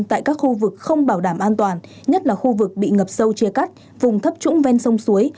tại các khu vực không bảo đảm an toàn nhất là khu vực bị ngập sâu chia cắt vùng thấp trũng ven sông suối